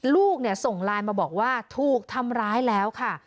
ลูกส่งไลน์มาบอกว่าถูกทำร้ายแล้วค่ะ